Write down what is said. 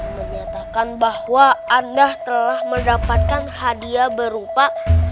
menyatakan bahwa anda telah mendapatkan hadiah berupa